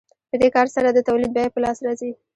په دې کار سره د تولید بیه په لاس راځي